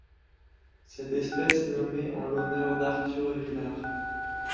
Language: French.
Cette espèce est nommée en l'honneur d'Arthur Vilars.